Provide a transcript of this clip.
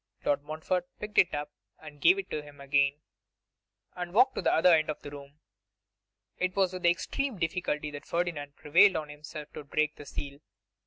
Lord Montfort picked it up, gave it him again, and walked to the other end of the room. It was with extreme difficulty that Ferdinand prevailed on himself to break the seal.